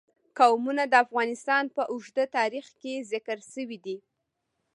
قومونه د افغانستان په اوږده تاریخ کې ذکر شوی دی.